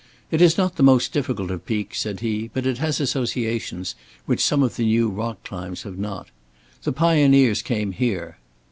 "It is not the most difficult of peaks," said he, "but it has associations, which some of the new rock climbs have not. The pioneers came here."